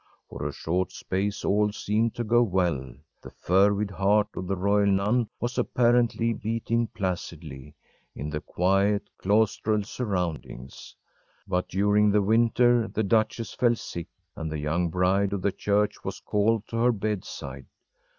For a short space all seemed to go well. The fervid heart of the royal nun was apparently beating placidly, in the quiet claustral surroundings. But during the winter the duchess fell sick, and the young bride of the church was called to her bedside.